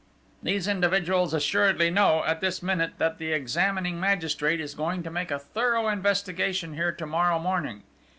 These individuals assuredly know, at this minute, that the examining magistrate is going to make a thorough investigation here to morrow morning....